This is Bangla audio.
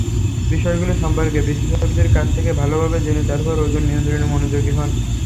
বিষয়গুলো সম্পর্কে বিশেষজ্ঞের কাছ থেকে ভালোভাবে জেনে তারপর ওজন নিয়ন্ত্রণে মনোযোগী হোন।